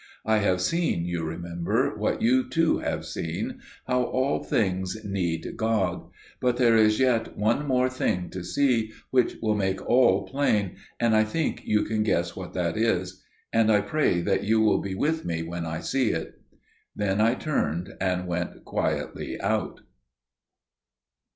I have seen, you remember, what you too have seen, how all things need God; but there is yet one more thing to see which will make all plain, and I think you can guess what that is. And I pray that you will be with me when I see it." Then I turned and went quietly out.